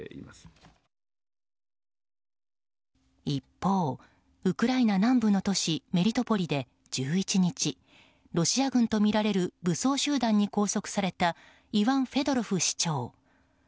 一方、ウクライナ南部の都市メリトポリで１１日ロシア軍とみられる武装集団に拘束されたイワン・フェドロフ市長。